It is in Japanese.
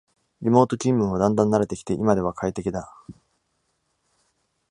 リモート勤務もだんだん慣れてきて今では快適だ